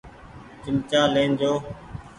چمچآ لين جو ۔